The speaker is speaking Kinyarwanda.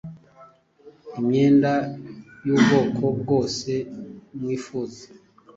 imyenda y’ubwoko bwose mwifuza